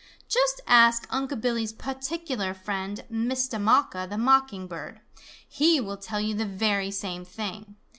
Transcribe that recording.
Just ask Unc' Billy's particular friend, Mistah Mocker the Mocking Bird. He will tell you the very same thing.